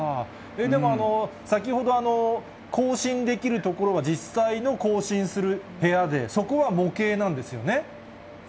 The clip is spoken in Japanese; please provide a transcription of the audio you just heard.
でも先ほど、交信できるところは実際の交信する部屋で、そこは模型なんですよね？